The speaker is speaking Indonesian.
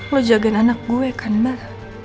lo jagain anak gue kan mbak